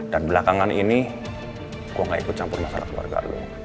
dan belakangan ini gue gak ikut campur masalah keluarga lo